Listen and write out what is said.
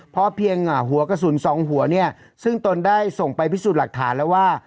เพราะเพียงหัวกระสุนสองหัวเนี่ยซึ่งตนได้ส่งไปพิสูจน์หลักฐานแล้วว่า